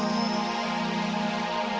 berilah ampun kekuatan